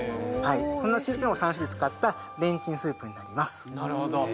そのうち今日は３種類を使ったレンチンスープになります